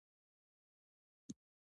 زه په خپل موبایل کې ویډیوګانې ګورم.